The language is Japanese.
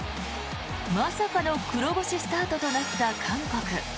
まさかの黒星スタートとなった韓国。